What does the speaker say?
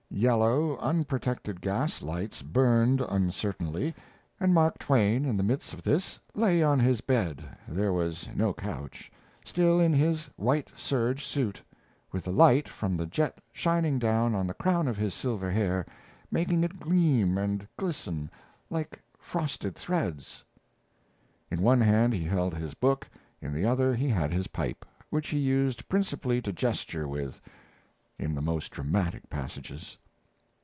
Yellow, unprotected gas lights burned uncertainly, and Mark Twain in the midst of this lay on his bed (there was no couch) still in his white serge suit, with the light from the jet shining down on the crown of his silver hair, making it gleam and glisten like frosted threads. In one hand he held his book, in the other he had his pipe, which he used principally to gesture with in the most dramatic passages.